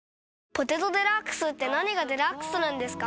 「ポテトデラックス」って何がデラックスなんですか？